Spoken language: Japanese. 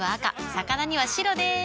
魚には白でーす。